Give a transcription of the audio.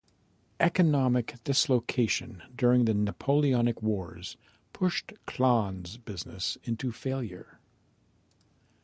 Economic dislocation during the Napoleonic Wars pushed Klahn's business into failure.